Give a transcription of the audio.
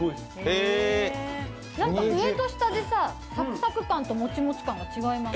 上と下でサクサク感ともちもち感が違います。